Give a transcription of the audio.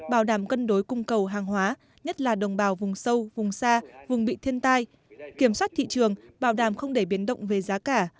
bảo đảm cân đối cung cầu hàng hóa nhất là đồng bào vùng sâu vùng xa vùng bị thiên tai kiểm soát thị trường bảo đảm không để biến động về giá cả